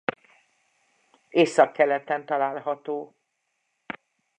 Északkeleten található.